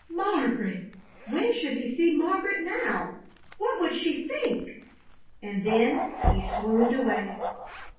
Margaret! When should he see Margaret now? What would she think? And then he swooned away.